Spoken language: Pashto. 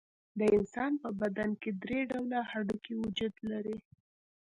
د انسان په بدن کې درې ډوله هډوکي وجود لري.